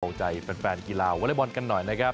ก็คงใจเป็นแฟนกีฬาวลายบอลกันหน่อยนะครับ